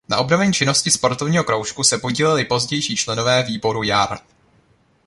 Na obnovení činnosti sportovního kroužku se podíleli pozdější členové výboru Jar.